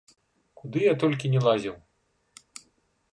Куды я толькі не лазіў.